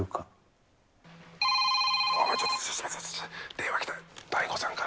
電話来た、大悟さんから。